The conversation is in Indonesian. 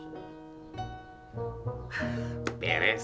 bisa enak banget